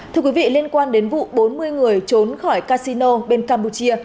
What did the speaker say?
thưa quý vị liên quan đến vụ bốn mươi người trốn khỏi casino bên campuchia